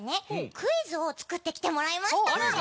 クイズを作ってきてもらいました！